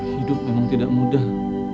hidup memang tidak mudah